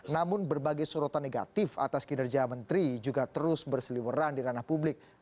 namun berbagai sorotan negatif atas kinerja menteri juga terus berseliweran di ranah publik